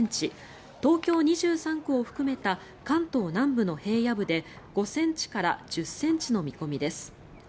東京２３区を含めた関東南部の平野部で５ｃｍから１０ｃｍの見込みです。